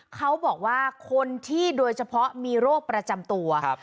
เขาบอกว่าคนที่โดยเฉพาะมีโรคประจำตัว